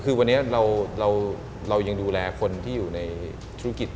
คือวันนี้เรายังดูแลคนที่อยู่ในธุรกิจ